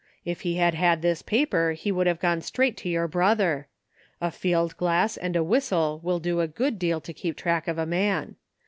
If he had had this paper he would have gone straight to your brother. A field glass and a whistle will do a good deal to keep trade of a man.